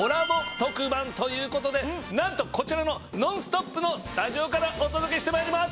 特番ということで何とこちらの『ノンストップ！』のスタジオからお届けしてまいります。